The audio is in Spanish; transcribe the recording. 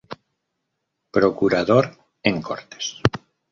Procurador en Cortes.